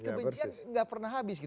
kebencian enggak pernah habis